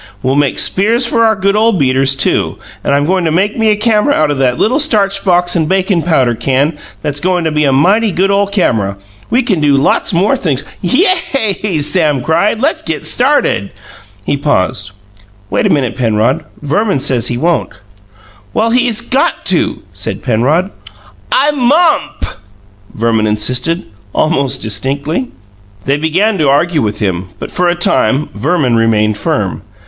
We'll make spears for our good ole beaters, too, and I'm goin' to make me a camera out o' that little starch box and a bakin' powder can that's goin' to be a mighty good ole camera. We can do lots more things " "Yay!" Sam cried. "Let's get started!" He paused. "Wait a minute, Penrod. Verman says he won't " "Well, he's got to!" said Penrod. "I momp!" Verman insisted, almost distinctly. They began to argue with him; but, for a time, Verman remained firm.